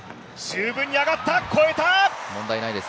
十分に上がった越えた！